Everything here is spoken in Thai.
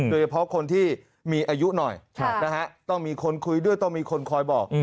โดยเฉพาะคนที่มีอายุหน่อยต้องมีคนคุยด้วยต้องมีคนคอยบอก